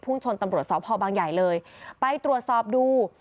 ชนตำรวจสพบางใหญ่เลยไปตรวจสอบดู